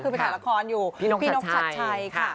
คือไปถ่ายละครอยู่พี่นกชัดชัยค่ะ